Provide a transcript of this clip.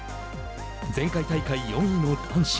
前回大会４位の男子。